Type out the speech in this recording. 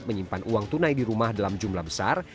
menyimpan uang tunai di rumah dalam jumlah besar